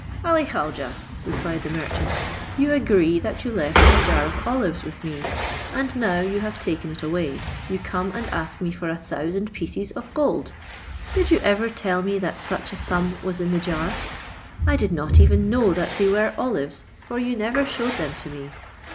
"Ali Khaujeh," replied the merchant, "you agree that you left a jar of olives with me; and now you have taken it away, you come and ask me for a thousand pieces of gold. Did you ever tell me that such a sum was in the jar? I did not even know that they were olives, for you never showed them to me.